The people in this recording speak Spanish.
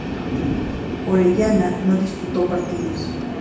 Orellana no disputó partidos.